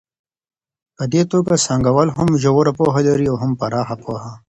په دې توګه څانګوال هم ژوره پوهه لري او هم پراخه پوهه.